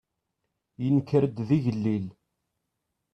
Yenker-d d igellil.